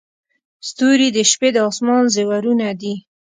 • ستوري د شپې د اسمان زیورونه دي.